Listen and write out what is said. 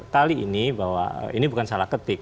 tali ini bahwa ini bukan salah ketik